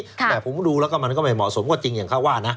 แต่ผมดูแล้วก็มันก็ไม่เหมาะสมก็จริงอย่างเขาว่านะ